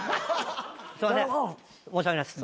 すいません申し訳ないです。